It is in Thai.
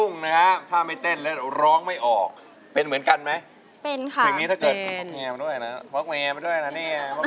ไม่หน้าพกมาด้วย